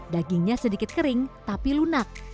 dagingnya sedikit kering tapi lunak